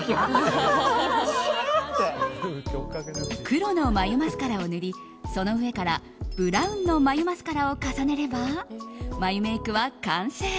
黒の眉マスカラを塗りその上からブラウンの眉マスカラを重ねれば眉メイクは完成。